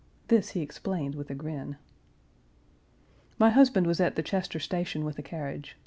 This he explained with a grin. My husband was at the Chester station with a carriage.